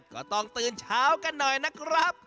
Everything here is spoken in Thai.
ก็ต้องตื่นเช้ากันหน่อยนะครับ